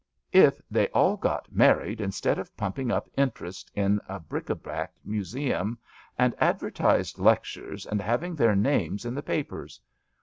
"^* If they all got married instead of pumping tip interest in a bric a brac museum and advertised lectures, and having their names in the papers.